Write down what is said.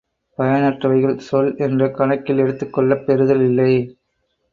பயனற்றவைகள் சொல் என்ற கணக்கில் எடுத்துக்கொள்ளப் பெறுதல் இல்லை.